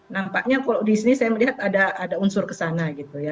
nampaknya kalau di sini saya melihat ada unsur ke sana gitu ya